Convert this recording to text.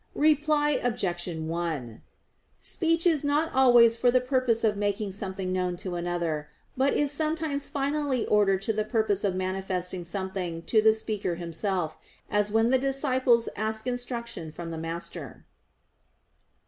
Reply Obj. 1: Speech is not always for the purpose of making something known to another; but is sometimes finally ordered to the purpose of manifesting something to the speaker himself; as when the disciples ask instruction from the master.